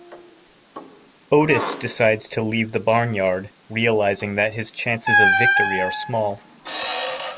Otis decides to leave the barnyard, realizing that his chances of victory are small.